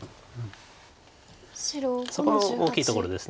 そこも大きいところです